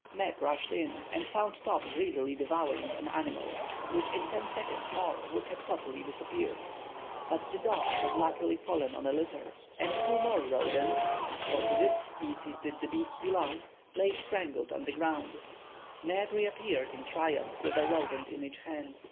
Neb rushed in, and found Top greedily devouring an animal, which in ten seconds more would have totally disappeared. But the dog had luckily fallen on a litter, and two more rodents—for to this species did the beasts belong—lay strangled on the ground. Neb reappeared in triumph with a rodent in each hand.